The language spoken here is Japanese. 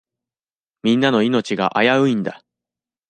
みんなの命が危ういんだ。